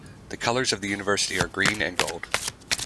The colors of the university are green and gold.